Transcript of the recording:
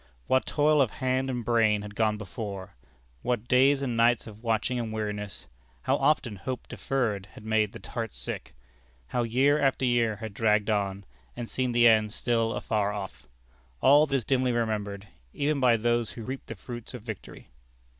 What toil of hand and brain had gone before; what days and nights of watching and weariness; how often hope deferred had made the heart sick: how year after year had dragged on, and seen the end still afar off all that is dimly remembered, even by those who reap the fruits of victory.